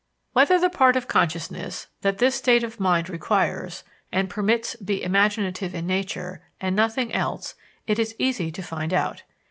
Whether the part of consciousness that this state of mind requires and permits be imaginative in nature and nothing else it is easy to find out.